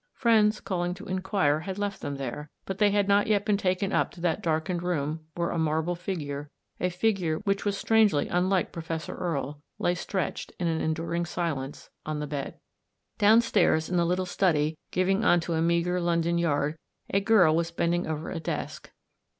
Friends calling to inquire had left them there, but they had 2 THE STORY OF A MODERN WOMAN. not yet been taken up — up to that awful room where a marble figure, a figure which was strangely unlike Professor Erie — lay stretched, in an enduring silence, on the bed. Downstairs, in the little study giving on a meagre London yard, a girl was bending over a desk.